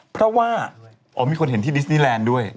เพราะว่าอ๋อมีคนเห็นที่ดิสนีแลนด์ด้วย